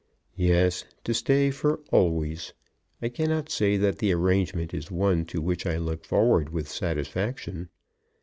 "Yes, to stay for always. I cannot say that the arrangement is one to which I look forward with satisfaction.